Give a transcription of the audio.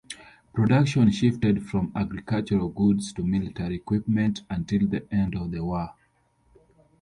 Production shifted from agricultural goods to military equipment until the end of the war.